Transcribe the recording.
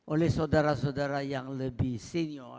oleh saudara saudara yang lebih senior